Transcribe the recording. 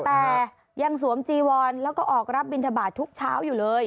แต่ยังสวมจีวอนแล้วก็ออกรับบินทบาททุกเช้าอยู่เลย